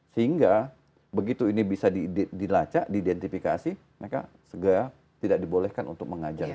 sehingga begitu ini bisa dilacak diidentifikasi mereka segera tidak dibolehkan untuk mengajar